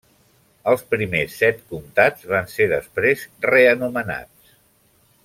Els primers set comtats van ser després reanomenats.